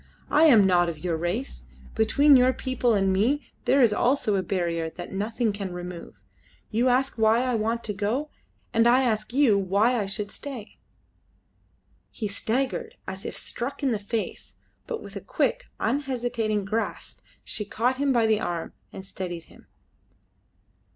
I am not of your race. Between your people and me there is also a barrier that nothing can remove. You ask why I want to go, and I ask you why I should stay." He staggered as if struck in the face, but with a quick, unhesitating grasp she caught him by the arm and steadied him.